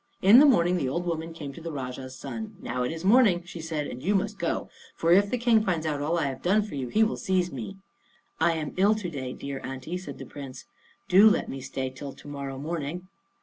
In the morning the old woman came to the Rajah's son. "Now it is morning," she said, "and you must go; for if the King finds out all I have done for you, he will seize me." "I am ill to day, dear aunty," said the Prince; "do let me stay till to morrow morning."